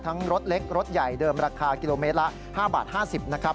รถเล็กรถใหญ่เดิมราคากิโลเมตรละ๕บาท๕๐นะครับ